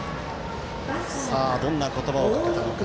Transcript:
どんな言葉をかけたのか。